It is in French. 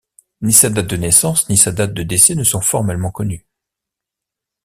Ni sa date de naissance ni sa date de décès ne sont formellement connues.